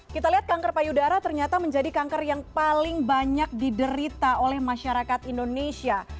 kita lihat kanker payudara ternyata menjadi kanker yang paling banyak diderita oleh masyarakat indonesia